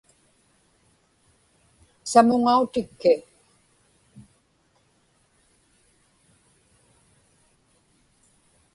samuŋautikki